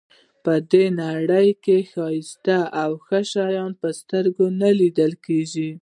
په نړۍ کې ښایسته او ښه شیان په سترګو نه لیدل کېږي.